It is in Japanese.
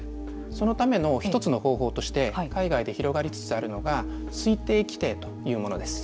そのための一つの方法として海外で広がりつつあるのが推定規定というものです。